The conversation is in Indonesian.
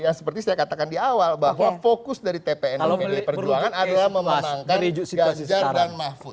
ya seperti saya katakan di awal bahwa fokus dari tpn dan pdi perjuangan adalah memenangkan ganjar dan mahfud